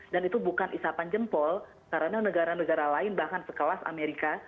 dan itu bukan isapan jempol karena negara negara lain bahkan sekelas amerika